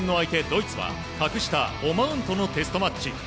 ドイツは格下オマーンとのテストマッチ。